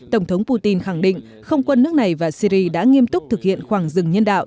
tổng thống putin khẳng định không quân nước này và syri đã nghiêm túc thực hiện khoảng rừng nhân đạo